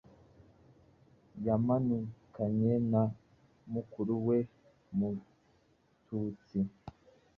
Yamanukanye na Mukuru we Mututsi,